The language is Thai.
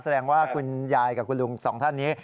แสดงว่าคุณยายกับคุณลุงสองท่านนี้